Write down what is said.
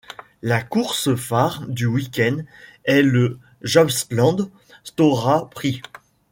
La course-phare du week-end est le Jämtlands Stora Pris.